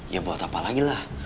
ya buat apa lagi lah